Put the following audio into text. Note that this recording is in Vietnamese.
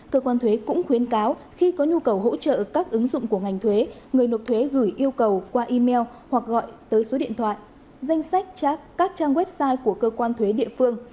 cơ quan thuế cũng khuyến cáo khi có nhu cầu hỗ trợ các ứng dụng của ngành thuế người nộp thuế gửi yêu cầu qua email hoặc gọi tới số điện thoại danh sách các trang website của cơ quan thuế địa phương